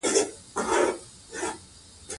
مېړه مړ کى؛ خو مړانه ئې مه وژنئ!